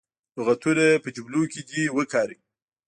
لغتونه په جملو کې دې وکاروي.